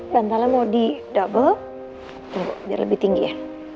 bantalnya mau di double biar lebih tinggi ya